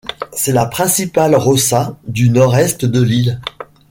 C'était la principale roça du nord-est de l'île.